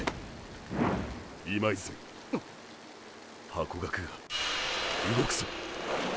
ハコガクが動くぞ。